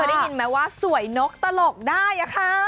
มึงเค้าได้ยินไหมว่าสวยนกตลกได้อะคะ